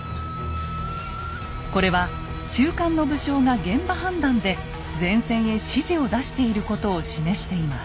これは中間の武将が現場判断で前線へ指示を出していることを示しています。